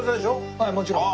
はいもちろん。